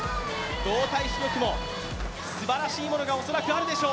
動体視力もすばらしいものが恐らくあるでしょう。